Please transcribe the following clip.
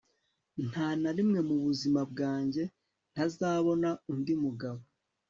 nta na rimwe mu buzima bwanjye ntazabona undi mugabo